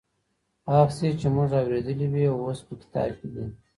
هغه کيسې چي موږ اورېدلې وې اوس په کتاب کي دي.